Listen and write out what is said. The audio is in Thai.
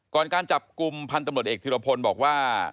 ก่อนการจับกุมพันธ์ตำรวจเอกที้รพลบอกว่า